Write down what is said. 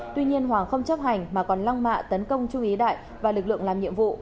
tuy nhiên hoàng không chấp hành mà còn lăng mạ tấn công trung ý đại và lực lượng làm nhiệm vụ